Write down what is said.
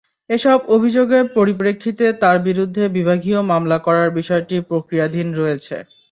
এসব অভিযোগের পরিপ্রেক্ষিতে তাঁর বিরুদ্ধে বিভাগীয় মামলা করার বিষয়টি প্রক্রিয়াধীন রয়েছে।